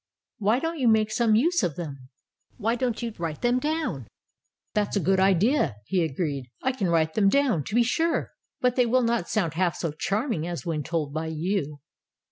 Why don't you make some use of them ? Why don't you write them down ?" ''That's a good idea," he agreed. "I can write them down, to be sure, but they will not sound half so charming as when told by you.